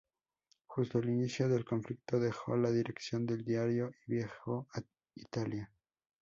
Justo al inicio del conflicto, dejó la dirección del diario y viajó a Italia.